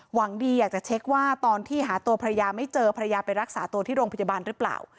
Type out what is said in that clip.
หวังดีอยากจะเช็คว่าตอนที่หาตัวภรรยาไม่เจอภรรยาไปรักษาตัวที่โรงพยาบาลหรือเปล่า